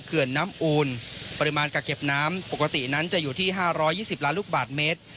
เขื่อนน้ำอูนปริมาณกาเก็บน้ำปกตินั้นจะอยู่ที่ห้าร้อยยี่สิบล้านลูกบาทเมตร